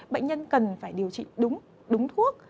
bệnh nhân cần phải điều trị đúng thuốc